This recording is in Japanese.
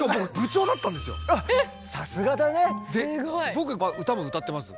僕歌も歌ってます。